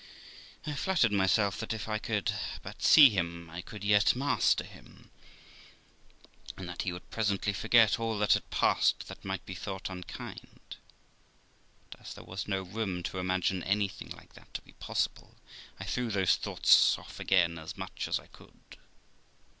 I flattered myself that if I could but see him I could yet master him, and that he would presently forget all that had passed that might be thought unkind; but, as there was no room to imagine anything like that to oe possible, I threw those thoughts off again as much as I could.